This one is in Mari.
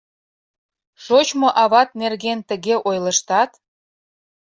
— Шочмо ават нерген тыге ойлыштат?!